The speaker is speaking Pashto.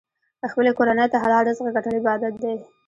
خپلې کورنۍ ته حلال رزق ګټل عبادت دی.